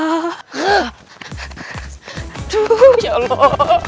aduh ya allah